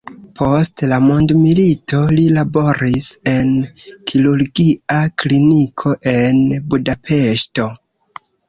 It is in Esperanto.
Post la mondomilito li laboris en kirurgia kliniko en Budapeŝto.